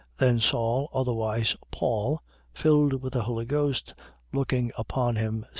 13:9. Then Saul, otherwise Paul, filled with the Holy Ghost, looking upon him, 13:10.